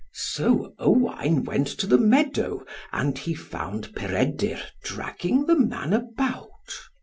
So Owain went to the meadow, and he found Peredur dragging the man about.